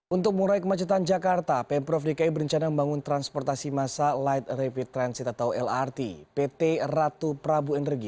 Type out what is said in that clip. untuk mengurai kemacetan jakarta pemprov dki berencana membangun transportasi massa light rapid transit atau lrt pt ratu prabu energi